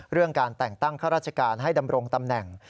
เรื่องการแต่งตั้งข้าราชการให้ดำรงตำแหน่ง